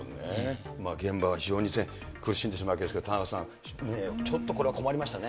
現場は非常に苦しんでしまうんですけど、田中さん、ちょっとこれ困りましたね。